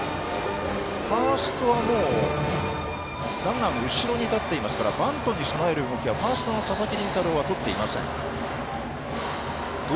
ファーストは、もうランナーの後ろに立っていますからバントに備える動きはファーストの佐々木麟太郎はとっていません。